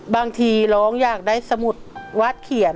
บางทีร้องอยากได้สมุดวาดเขียน